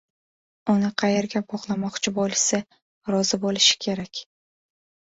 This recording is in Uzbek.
uni qayerga bog‘lamoqchi bo‘lishsa, rozi bo‘lishi kerak.